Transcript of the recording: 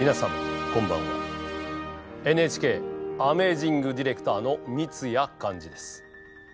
ＮＨＫアメージング・ディレクターの三津谷寛治です。